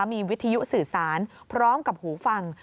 มีวิทยุสื่อสารพร้อมกับหูฟัง